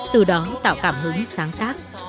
từ đó tạo cảm hứng sáng tác